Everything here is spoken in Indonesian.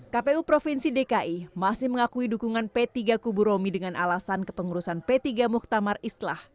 kpu provinsi dki masih mengakui dukungan p tiga kubu romi dengan alasan kepengurusan p tiga muktamar islah